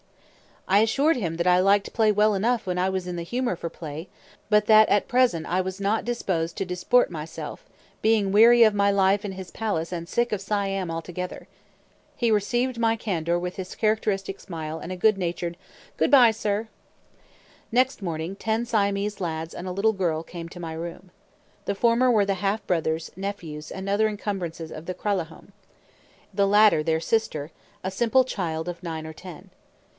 I assured him that I liked play well enough when I was in the humor for play; but that at present I was not disposed to disport myself, being weary of my life in his palace, and sick of Siam altogether. He received my candor with his characteristic smile and a good humored "Good by, sir!" Next morning ten Siamese lads and a little girl came to my room. The former were the half brothers, nephews, and other "encumbrances" of the Kralahome; the latter their sister, a simple child of nine or ten.